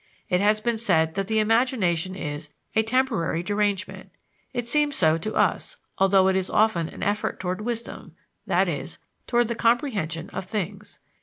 It has been said that the imagination is "a temporary derangement." It seems so to us, although it is often an effort toward wisdom, i.e., toward the comprehension of things.